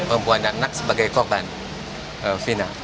perempuan dan anak sebagai korban fina